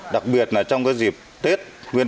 đặc biệt là trong dịp tết